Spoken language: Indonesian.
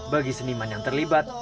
bagi seniman yang terlibat